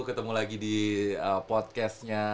ketemu lagi di podcastnya